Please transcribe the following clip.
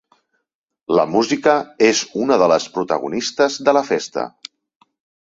La música és una de les protagonistes de la festa.